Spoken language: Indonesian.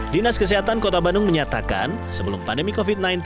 dinas kesehatan kota bandung menyatakan sebelum pandemi covid sembilan belas